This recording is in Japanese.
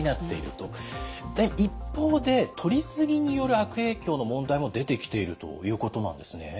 で一方でとりすぎによる悪影響の問題も出てきているということなんですね？